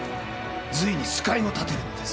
隋に使いをたてるのです。